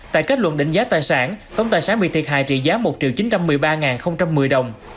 tại kết luận đỉnh giá tài sản tổng tài sản bị thiệt hại trị giá một triệu chín trăm một mươi ba một mươi đồng